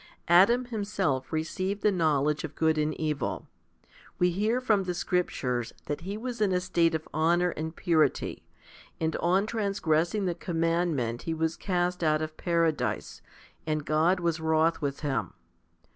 Adam himself received the knowledge of good and evil. We hear from the scriptures that he was in a state of honour and purity, and on trans gressing the commandment he was cast out of paradise, and God was wroth with him.